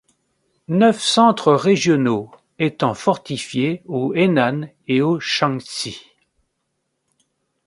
Neuf centres régionaux étant fortifiés au Henan et au Shanxi.